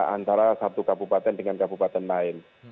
antara satu kabupaten dengan kabupaten lain